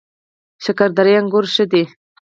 شکردرې انګور ښه دي؟